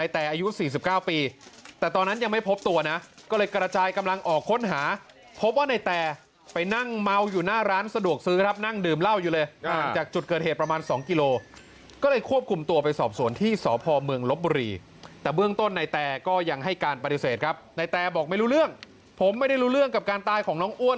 แต่อายุ๔๙ปีแต่ตอนนั้นยังไม่พบตัวนะก็เลยกระจายกำลังออกค้นหาพบว่าในแตไปนั่งเมาอยู่หน้าร้านสะดวกซื้อครับนั่งดื่มเหล้าอยู่เลยห่างจากจุดเกิดเหตุประมาณ๒กิโลก็เลยควบคุมตัวไปสอบสวนที่สพเมืองลบบุรีแต่เบื้องต้นในแต่ก็ยังให้การปฏิเสธครับในแตบอกไม่รู้เรื่องผมไม่ได้รู้เรื่องกับการตายของน้องอ้วน